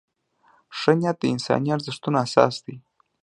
ښه نیت د انساني ارزښتونو اساس دی.